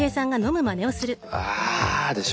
あ！でしょ。